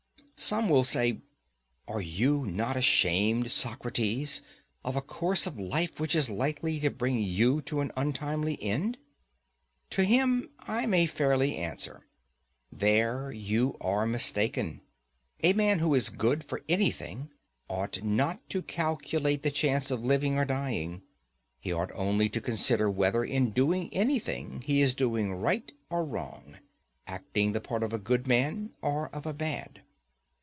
Some one will say: And are you not ashamed, Socrates, of a course of life which is likely to bring you to an untimely end? To him I may fairly answer: There you are mistaken: a man who is good for anything ought not to calculate the chance of living or dying; he ought only to consider whether in doing anything he is doing right or wrong—acting the part of a good man or of a bad.